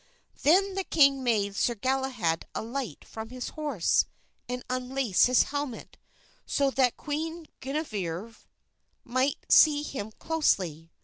Then the king made Sir Galahad alight from his horse and unlace his helmet so that Queen Guinevere might see him closely.